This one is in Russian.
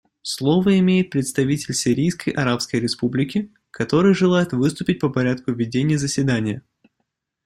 Слово имеет представитель Сирийской Арабской Республики, который желает выступить по порядку ведения заседания.